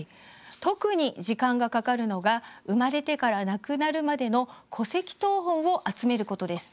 特に時間がかかるのが生まれてから亡くなるまでの戸籍謄本を集めることです。